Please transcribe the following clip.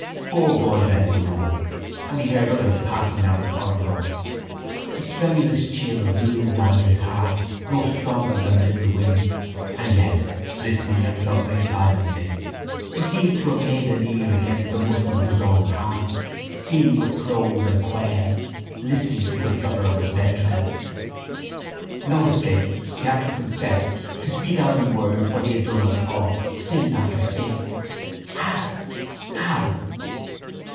Four boys left the room; and he heard others passing down the corridor. A tremulous chill blew round his heart, no stronger than a little wind, and yet, listening and suffering silently, he seemed to have laid an ear against the muscle of his own heart, feeling it close and quail, listening to the flutter of its ventricles. No escape. He had to confess, to speak out in words what he had done and thought, sin after sin. How? How?